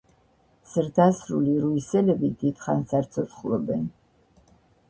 ზრდასრული რუისელები დიდხანს არ ცოცხლობენ.